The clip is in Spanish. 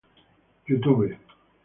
Youtube